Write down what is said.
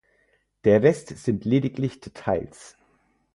Der Rest sind lediglich Details.